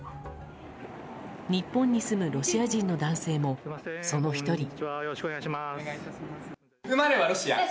日本に住むロシア人の男性もその１人。